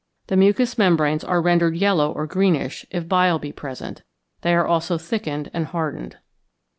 _ The mucous membranes are rendered yellow or greenish if bile be present; they are also thickened and hardened.